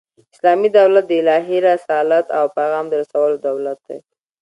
اسلامي دولت د الهي رسالت او پیغام د رسولو دولت دئ.